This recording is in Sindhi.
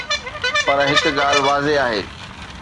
پر هڪ ڳالهه واضح آهي.